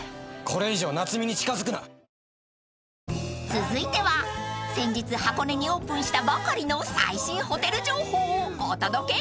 ［続いては先日箱根にオープンしたばかりの最新ホテル情報をお届け］